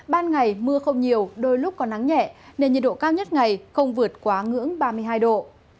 ban ngày mưa không nhiều đôi lúc có nắng nhẹ nên nhiệt độ cao nhất ngày không vượt quá ngưỡng ba mươi hai độ